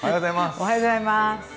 おはようございます。